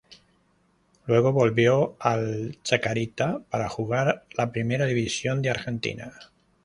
Luego volvió al Chacarita para jugar la Primera División de Argentina.